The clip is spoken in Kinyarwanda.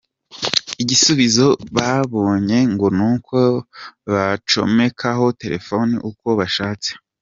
Igisubizo babonye ngo n’uko bacomekaho telefoni uko bashatse.